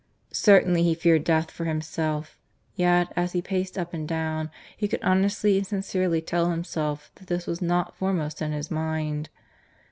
Certainly he feared death for himself; yet, as he paced up and down, he could honestly and sincerely tell himself that this was not foremost in his mind.